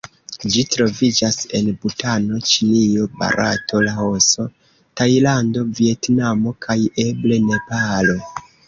Ĝi troviĝas en Butano, Ĉinio, Barato, Laoso, Tajlando, Vjetnamo kaj eble Nepalo.